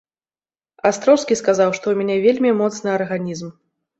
Астроўскі сказаў, што ў мяне вельмі моцны арганізм.